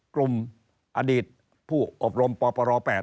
กลุ่มอดีตผู้อบรมปปร๘